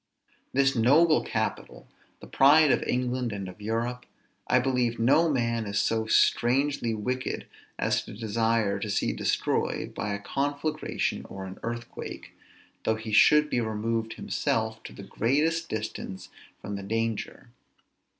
This noble capital, the pride of England and of Europe, I believe no man is so strangely wicked as to desire to see destroyed by a conflagration or an earthquake, though he should be removed himself to the greatest distance from the danger.